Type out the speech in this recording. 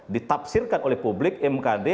ditafsirkan oleh publik mkd